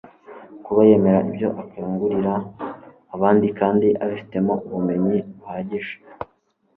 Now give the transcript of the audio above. kuba yemera ibyo akangurira abandi kandi ibifitemo ubumenyi buhagije